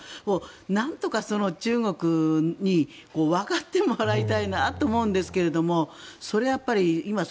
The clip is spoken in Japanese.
なんとか中国にわかってもらいたいなと思うんですけどもそれはやっぱり。